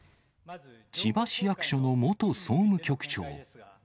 千葉市役所の元総務局長。